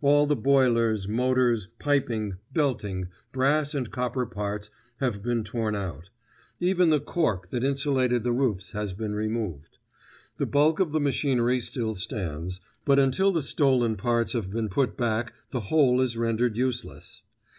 All the boilers, motors, piping, belting, brass and copper parts have been torn out. Even the cork that insulated the roofs has been removed. The bulk of the machinery still stands, but until the stolen parts have been put back the whole is rendered useless.